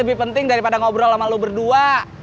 lebih penting daripada ngobrol sama lo berdua